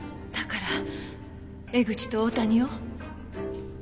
だから江口と大谷を？